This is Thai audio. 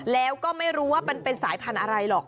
แล้วก็ไม่รู้ว่ามันเป็นสายพันธุ์อะไรหรอก